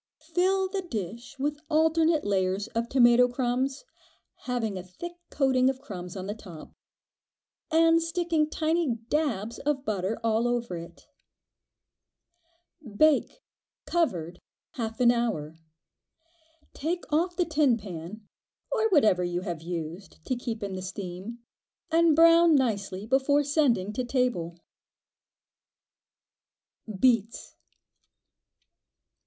Fill the dish with alternate layers of tomato crumbs, having a thick coating of crumbs on the top, and sticking tiny "dabs" of butter all over it. Bake, covered, half an hour. Take off the tin pan, or whatever you have used to keep in the steam, and brown nicely before sending to table. Beets.